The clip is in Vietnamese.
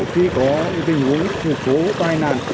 khi có những tình huống những số tai nạn